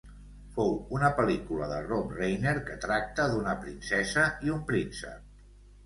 Fou una pel·lícula de Rob Reiner que tracta d'una princesa i un príncep.